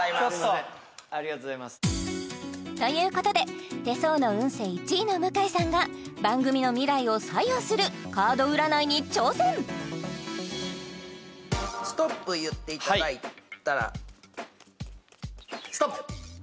ありがとうございますということで手相の運勢１位の向井さんが番組の未来を左右するカード占いに挑戦ストップ言っていただいたらはいストップ！